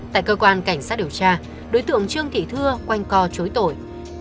tại cơ quan cảnh sát điều tra đối tượng trương thị thưa quanh co chối tội